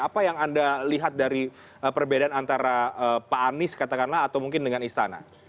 apa yang anda lihat dari perbedaan antara pak anies katakanlah atau mungkin dengan istana